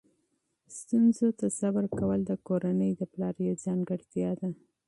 ستونزو ته صبر کول د کورنۍ د پلار یوه ځانګړتیا ده.